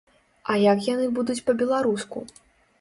А як яны будуць па-беларуску?